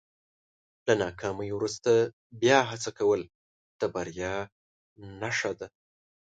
له ناکامۍ وروسته بیا هڅه کول د بریا نښه ده.